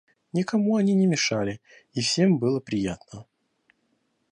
Никому они не мешали, и всем было приятно.